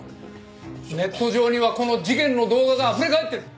ネット上にはこの事件の動画があふれかえっている。